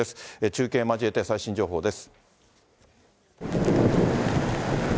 中継交えて最新情報です。